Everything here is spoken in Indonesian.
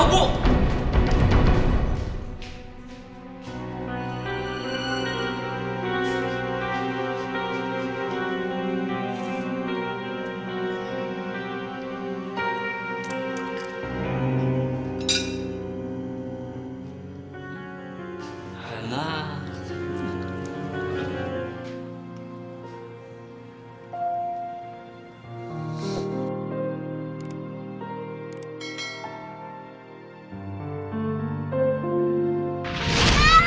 buangan jauh bu